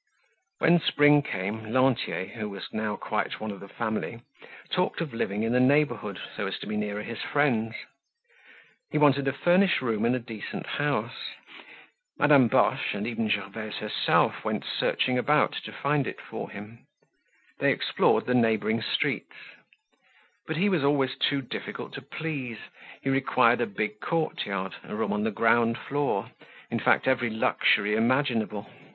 When spring came, Lantier, who was now quite one of the family, talked of living in the neighborhood, so as to be nearer his friends. He wanted a furnished room in a decent house. Madame Boche, and even Gervaise herself went searching about to find it for him. They explored the neighboring streets. But he was always too difficult to please; he required a big courtyard, a room on the ground floor; in fact, every luxury imaginable.